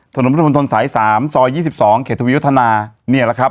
ถนนพระทนทนสายสามซอยยี่สิบสองเขตวิวทนาเนี่ยแหละครับ